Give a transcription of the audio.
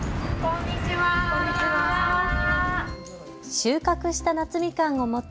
収穫した夏みかんを持って